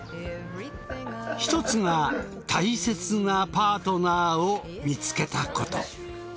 １つが大切なパートナーを見つけたこと。